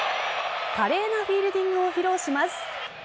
華麗なフィールディングを披露します。